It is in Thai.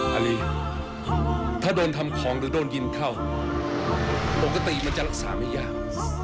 อันนี้ถ้าโดนทำของหรือโดนยิงเข้าปกติมันจะรักษาไม่ยาก